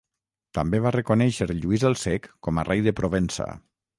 També va reconèixer Lluís el Cec com a rei de Provença.